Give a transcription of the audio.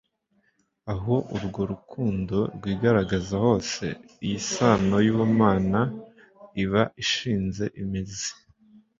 aho urwo rukundo rwigaragaza hose, iyi sano y'ubumana iba ishinze imizi."